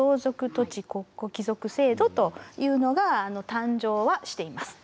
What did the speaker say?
土地国庫帰属制度というのが誕生はしています。